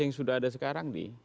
yang sudah ada sekarang